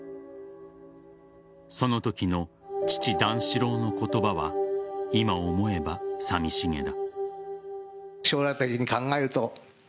そのときの父・段四郎の言葉は今思えばさみしげだ。